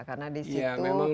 karena di situ komplit